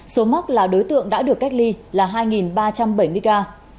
số mắc là đối tượng đã được cách ly là hai ba trăm bảy mươi ca